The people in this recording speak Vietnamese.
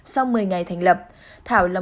sau một mươi ngày thành lập thảo là